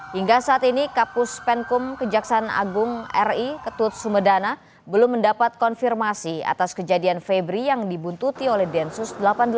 hingga saat ini kapus penkum kejaksaan agung ri ketut sumedana belum mendapat konfirmasi atas kejadian febri yang dibuntuti oleh densus delapan puluh delapan